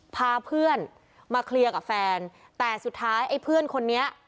พาเพื่อนมาเคลียร์กับแฟนแต่สุดท้ายไอ้เพื่อนคนนี้